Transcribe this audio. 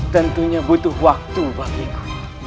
tentunya butuh waktu bagiku